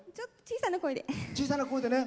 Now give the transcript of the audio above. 小さな声で。